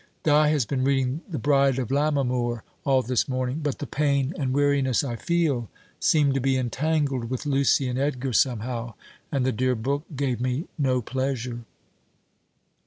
Di has been reading "The Bride of Lammermoor" all this morning; but the pain and weariness I feel seemed to be entangled with Lucy and Edgar somehow, and the dear book gave me no pleasure."